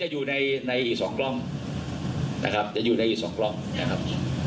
อยู่ในอีก๒กล้องนะครับจะอยู่ในอีก๒กล้องนะครับ